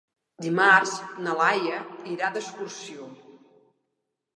Dimarts na Laia irà d'excursió.